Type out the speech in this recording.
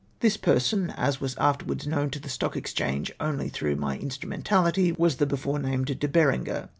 This person, as was afterwards known to the Stock Exchange only through my instntiiientaliti/, w^as the before named De Berenger.